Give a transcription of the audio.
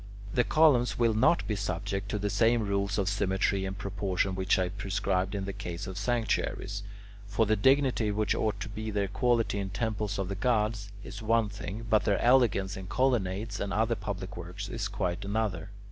The columns will not be subject to the same rules of symmetry and proportion which I prescribed in the case of sanctuaries; for the dignity which ought to be their quality in temples of the gods is one thing, but their elegance in colonnades and other public works is quite another.